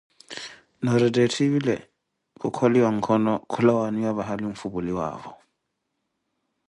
Nooretta etthipile, khukholiwa nkhono khulawaniwa vahali onfhupuliwavo.